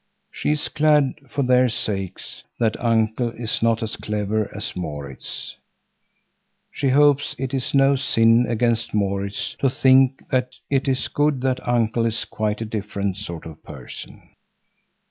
She is glad for their sakes that Uncle is not as clever as Maurits. She hopes it is no sin against Maurits to think that it is good that Uncle is quite a different sort of person.